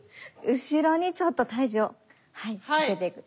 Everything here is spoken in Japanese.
後ろにちょっと体重をかけていく。